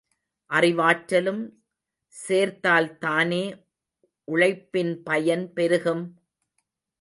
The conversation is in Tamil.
அறிவாற்றலும் சேர்த்தால்தானே உழைப்பின் பயன் பெருகும்?